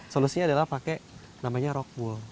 solusinya adalah pakai namanya rock wool